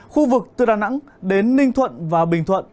khu vực từ đà nẵng đến ninh thuận và bình thuận